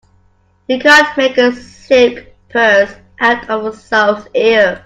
You can't make a silk purse out of a sow's ear.